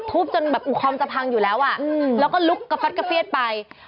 จนแบบอูคอมจะพังอยู่แล้วอ่ะแล้วก็ลุกกระฟัดกระเฟียดไป